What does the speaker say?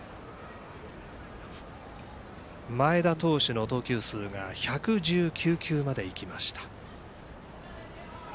前田投手の投球数が１１９球までいきました。